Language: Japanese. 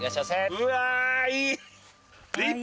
うわいい！